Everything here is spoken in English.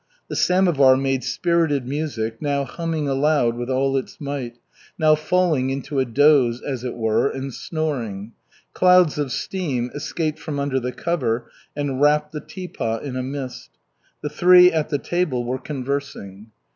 The samovar made spirited music, now humming aloud with all its might, now falling into a doze, as it were, and snoring. Clouds of steam escaped from under the cover and wrapped the tea pot in a mist. The three at the table were conversing.